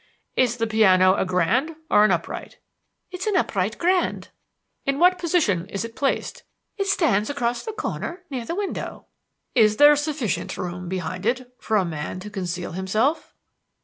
"Is the piano a grand or upright?" "It is an upright grand." "In what position is it placed?" "It stands across a corner near the window." "Is there sufficient room behind it for a man to conceal himself?"